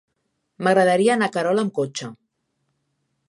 M'agradaria anar a Querol amb cotxe.